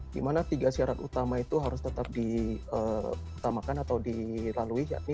dimana tiga syarat utama itu harus tetap ditamakan atau dilalui